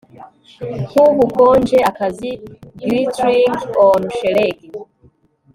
Nkubukonjeakazi glittring on shelegi